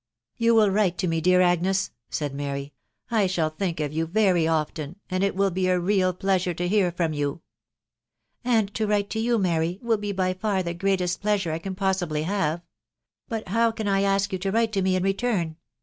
"You will write to me, dear Agnes !" said Mary. "I shall think of you very often, and it will be a real pleasure la hear from you." " And to write to you, Mary, will be by far the greatest pleasure I can possibly have. But how can I ask you to write to me in return